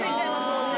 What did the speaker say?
もんね